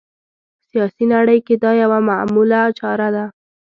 سیاسي نړۍ کې دا یوه معموله چاره ده